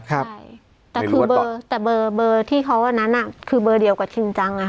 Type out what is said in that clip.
แต่เบอร์ที่เค้านั้นคือเบอร์เดียวกับชินจังนะครับ